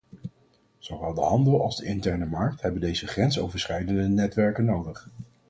Zowel de handel als de interne markt hebben deze grensoverschrijdende netwerken nodig.